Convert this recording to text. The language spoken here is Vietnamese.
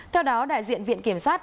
theo đó đại diện viện kiểm sát